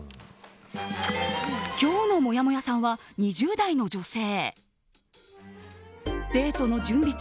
今日のもやもやさんは２０代の女性。